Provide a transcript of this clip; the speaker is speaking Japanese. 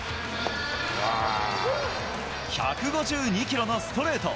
１５２キロのストレート。